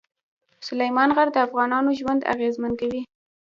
سلیمان غر د افغانانو ژوند اغېزمن کوي.